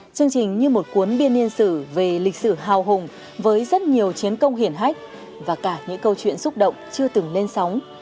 chương trình như một cuốn biên yên sử về lịch sử hào hùng với rất nhiều chiến công hiển hách và cả những câu chuyện xúc động chưa từng lên sóng